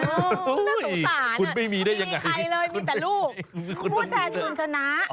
น่าสงสารไม่มีใครเลยมีแต่ลูกพูดแทนคุณชนะ